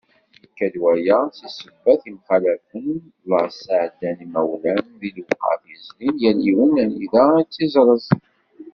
Yekka-d waya si sebbat imxalafen, llaẓ sεeddan yimawlan di lewqat yezrin yal yiwen anida i t-iẓrez.